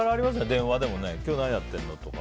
電話でもね今日何やってるの？とか。